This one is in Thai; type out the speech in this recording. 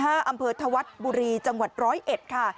อำเภอธวัฒน์บุรีจังหวัดร้อยเอ็ดค่ะ